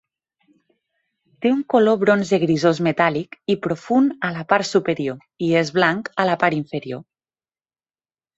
Té un color bronze grisós metàl·lic i profund a la part superior i és blanc a la part inferior.